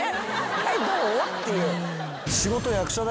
はいどう？っていう。